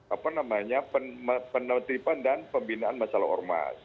apa namanya penertiban dan pembinaan masalah ormas